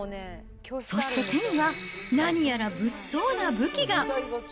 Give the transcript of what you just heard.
そして、手には何やら物騒な武器が。